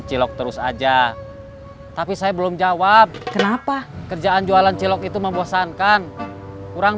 cilok terus aja tapi saya belum jawab kenapa kerjaan jualan cilok itu membosankan kurang